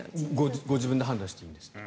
ご自分で判断していいんですって。